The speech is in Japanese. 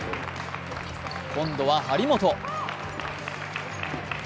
今度は張本。